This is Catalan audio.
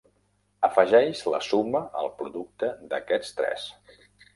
Afegeix la suma al producte d'aquests tres.